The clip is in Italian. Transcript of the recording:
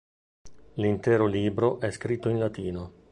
L'intero libro è scritto in latino.